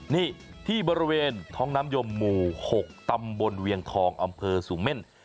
นี่ที่บริเวณท้องน้ำยมหมู่๖ตำบลเวียงทองอำเภอสูงเม่น